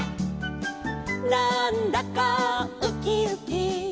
「なんだかウキウキ」